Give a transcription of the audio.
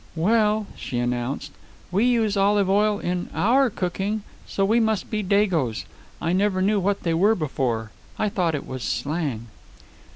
"Well," she announced, "we use olive oil in our cooking, so we must be dagoes. I never knew what they were before. I thought it was slang."